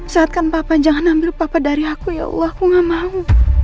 saat kan papa jangan ambil papa dari aku ya allah aku nggak mau